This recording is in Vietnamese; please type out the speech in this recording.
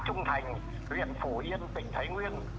huyện phủ yên tỉnh thái nguyên